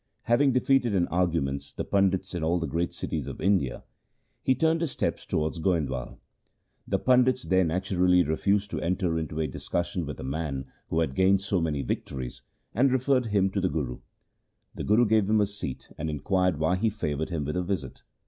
Having defeated in argument the pandits of all the great cities of India, he turned his steps towards Goindwal. The pandits there naturally refused to enter into a discussion with a man who had gained so many victories, and referred him to the Guru. The Guru gave him a seat, and inquired why he favoured him with a visit.